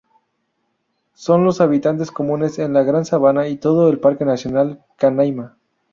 Son los habitantes comunes en la Gran Sabana y todo el Parque nacional Canaima.